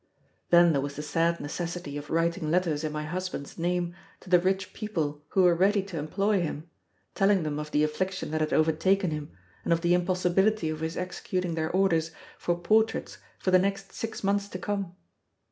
Then there was the sad necessity of writing letters in my husband's name to the rich people who were ready to employ him, telling them of the affliction that had overtaken him, and of the impossibility of his executing their orders for portraits for the next six months to come.